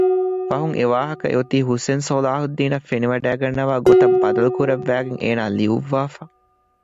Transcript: ފަހުން އެވާހަކަ އެއޮތީ ޙުސައިން ޞަލާޙުއްދީނަށް ފެނިވަޑައިގަންނަވާ ގޮތަށް ބަދަލުކުރައްވައިގެން އޭނާ ލިޔުއްވާފަ